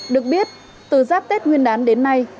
được biết từ giáp tết nguyên đán đến nay